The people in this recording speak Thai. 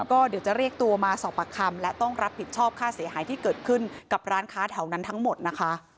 ก็เดี๋ยวจะเรียกตัวมาสอบปากคำและต้องรับผิดชอบค่าเสียหายที่เกิดขึ้นกับร้านค้าแถวนั้นทั้งหมดนะคะ